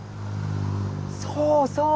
そうそう！